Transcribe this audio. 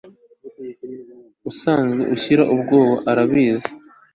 asanzwe ashira ubwoba urabizi